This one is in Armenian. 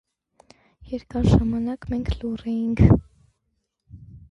Երկար ժամանակ մենք լուռ էինք: